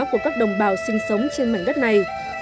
của các đồng bào sinh sống trên mảnh đất này